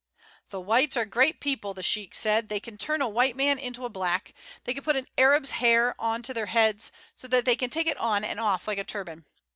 "The whites are great people," the sheik said; "they can turn a white man into a black. They can put an Arab's hair on to their heads, so that they can take it on and off like a turban.